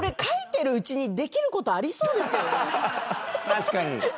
確かに。